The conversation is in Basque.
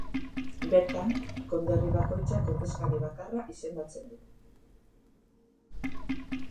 Bertan, konderri bakoitzak ordezkari bakarra izendatzen du.